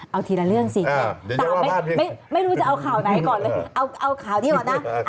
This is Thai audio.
เอาทีละเรื่องสิแต่ไม่รู้จะเอาข่าวไหนก่อนเลยเอาข่าวนี้ก่อนนะ